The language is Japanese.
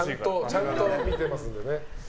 ちゃんと見てますので。